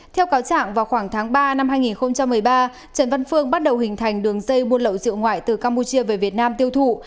theo cáo trạng vào khoảng tháng ba năm hai nghìn một mươi ba trần văn phương bắt đầu hình thành đường dây buôn lậu rượu ngoại từ campuchia về việt nam tiêu thụ